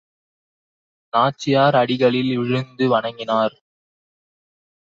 நாச்சியார் அடிகளில் வீழ்ந்து வணங்கினார்.